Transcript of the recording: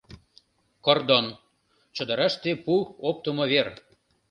Кордон — чодыраште пу оптымо вер.